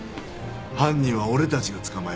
犯人は俺たちが捕まえます。